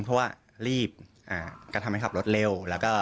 เพราะว่างรีบกระทำให้ขับรถเร็ว